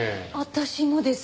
私もです。